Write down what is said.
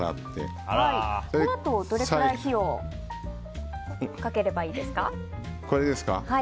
このあと、どれくらい火をかければいいですか。